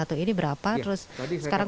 satu ini berapa terus sekarang